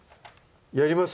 やります？